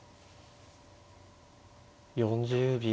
４０秒。